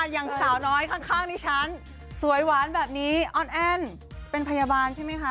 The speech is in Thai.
อย่างสาวน้อยข้างดิฉันสวยหวานแบบนี้ออนแอ้นเป็นพยาบาลใช่ไหมคะ